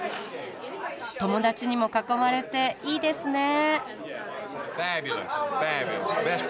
友達にも囲まれていいですねえ。